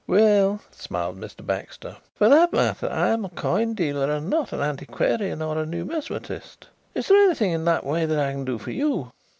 "Well," smiled Mr. Baxter, "for that matter I am a coin dealer and not an antiquarian or a numismatist. Is there anything in that way that I can do for you?"